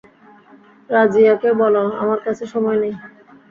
রাজিয়াকে বল আমার কাছে সময় নেই।